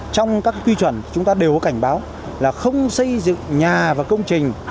trong các quy chuẩn chúng ta đều có cảnh báo là không xây dựng nhà và công trình